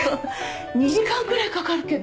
２時間ぐらいかかるけど。